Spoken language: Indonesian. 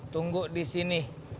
tunggu di sini